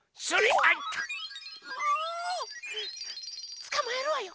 つかまえるわよ！